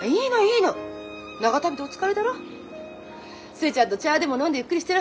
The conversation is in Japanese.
寿恵ちゃんと茶でも飲んでゆっくりしてな。